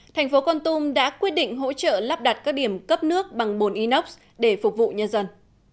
thành phố con tum đã quyết định hỗ trợ lắp đặt các điểm cấp nước bằng bồn inox để phục vụ nhân dân